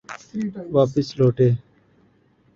واپس لوٹے۔